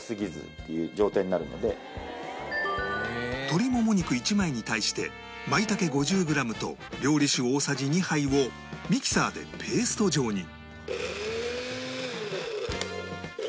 鶏もも肉１枚に対して舞茸５０グラムと料理酒大さじ２杯をミキサーでペースト状に